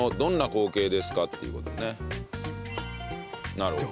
なるほど。